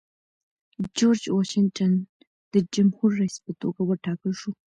جورج واشنګټن د جمهوري رئیس په توګه وټاکل شو.